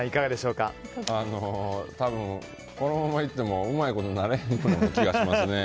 このままいってもうまいことならへん気がしますね。